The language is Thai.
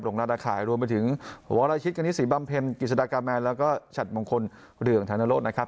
ลงราดาขายรวมไปถึงวรราชิตกณิชย์ศรีบำเพ็ญกิจฎากาแมนและชัตร์มงคลเหลืองธาณณรส